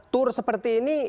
tur seperti ini